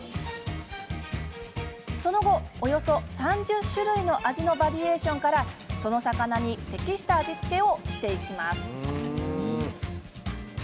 その後、およそ３０種類の味のバリエーションからその魚に適した味付けをしていきます。